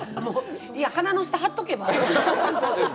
鼻の下、貼っておけば。